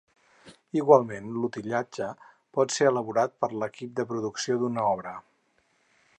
Igualment, l'utillatge pot ser elaborat per l'equip de producció d'una obra.